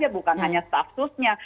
bukan hanya stafsusnya